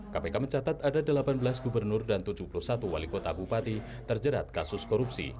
kpk mencatat ada delapan belas gubernur dan tujuh puluh satu wali kota bupati terjerat kasus korupsi